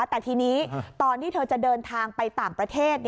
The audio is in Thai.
แต่ทีนี้ตอนที่เธอจะเดินทางไปต่างประเทศ